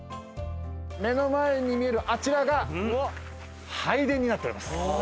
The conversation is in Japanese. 目の前に見えるあちらが拝殿になっております。